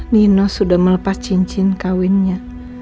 nino sudah melepas cincin kawinnya